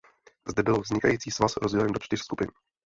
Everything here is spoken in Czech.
Zde byl vznikající svaz rozdělen do čtyř skupin.